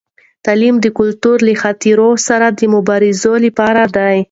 تعلیم د کلتور له خطراتو سره د مبارزې لپاره دی.